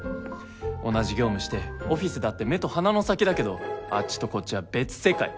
同じ業務してオフィスだって目と鼻の先だけどあっちとこっちは別世界。